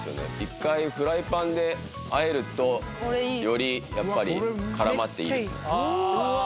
一回フライパンであえるとよりやっぱりからまっていいですねうわ・